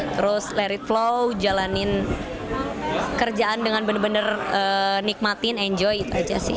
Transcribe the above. terus larit flow jalanin kerjaan dengan benar benar nikmatin enjoy itu aja sih